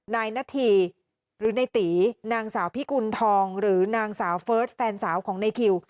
นายนาธีหรือในตีนางสาวพิกุณฑองหรือนางสาวเฟิร์สแฟนสาวของในคิว